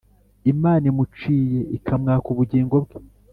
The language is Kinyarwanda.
Imana imuciye ikamwaka ubugingo bwe